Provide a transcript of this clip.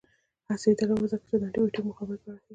عصري تعلیم مهم دی ځکه چې د انټي بایوټیک مقاومت په اړه ښيي.